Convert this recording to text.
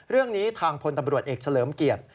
เรื่องนี้ทางพลตำรวจเอกเฉลิมเกียรติ